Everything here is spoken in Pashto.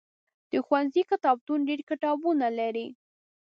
د ښوونځي کتابتون ډېر کتابونه لري.